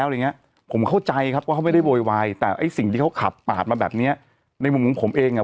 ว่าเขาไม่ได้โวยวายแต่ไอ้สิ่งที่เขาขับปากมาแบบเนี้ยในมุมผมเองอ่ะ